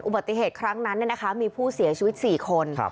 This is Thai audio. ปฏิครั้งนั้นมีผู้เสียชีวิต๔คน